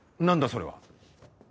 それは。